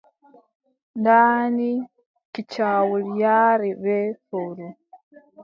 Ndaa ni kiccawol yaare bee fowru.